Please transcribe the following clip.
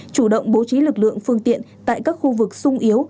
chủ động bố trí lực lượng phương tiện tại các khu vực sung yếu